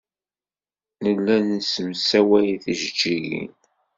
Nella nessemsaway tijejjigin.